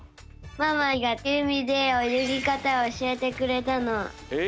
ママがうみでおよぎかたをおしえてくれたの。え！？